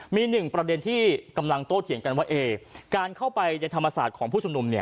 มีหนึ่งประเด็นที่กำลังโตเถียงกันว่าการเข้าไปในธรรมศาสตร์ของผู้ชุมนุม